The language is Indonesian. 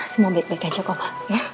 semua baik baik aja koma